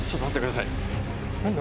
何だ？